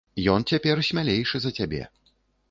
Ён цяпер смялейшы за цябе.